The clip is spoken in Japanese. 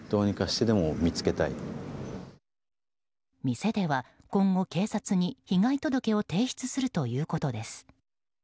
店では今後、警察に被害届を提出するということです。